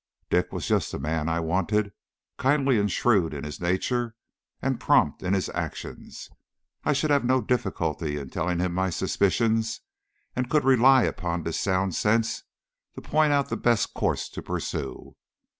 Dick was just the man I wanted; kindly and shrewd in his nature, and prompt in his actions, I should have no difficulty in telling him my suspicions, and could rely upon his sound sense to point out the best course to pursue.